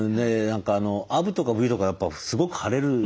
アブとかブヨとかやっぱすごく腫れる。